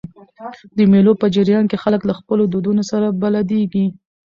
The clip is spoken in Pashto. د مېلو په جریان کښي خلک له خپلو دودونو سره بلديږي.